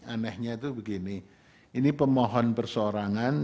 anehnya itu begini ini pemohon perseorangan